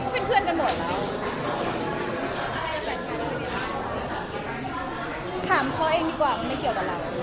ก็เพื่อนกันหมดแล้ว